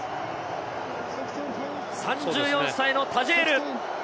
３４歳のタジェール。